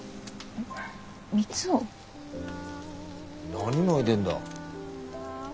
何泣いでんだ。